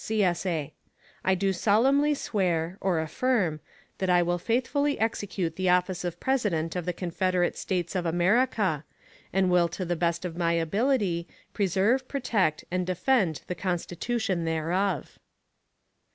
[CSA] "I do solemnly swear (or affirm) that I will faithfully execute the office of President of the Confederate States of America, and will to the best of my ability, preserve, protect, and defend the Constitution thereof."